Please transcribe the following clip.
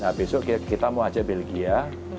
nah besok kita mau ajak belgia